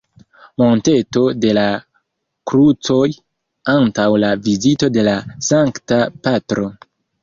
Monteto de la Krucoj antaŭ la vizito de la Sankta Patro.